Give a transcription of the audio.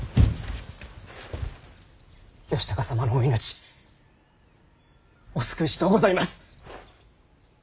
義高様のお命お救いしとうございます。